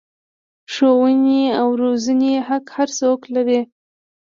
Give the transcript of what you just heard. ښوونې او روزنې حق هر څوک لري.